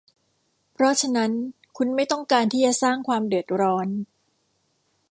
เพราะฉะนั้น คุณไม่ต้องการที่จะสร้างความเดือดร้อน